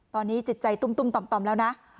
ตอนนี้จิตใจตุ้มต่อมแล้วนะ